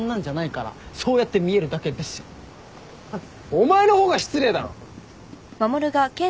お前の方が失礼だろ！